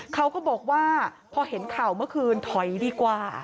เขาก็บอกว่าพอเห็นข่าวเมื่อคืนถอยดีกว่า